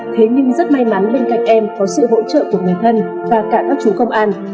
thế nhưng rất may mắn bên cạnh em có sự hỗ trợ của người thân và cả các chú công an